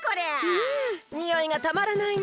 んにおいがたまらないね。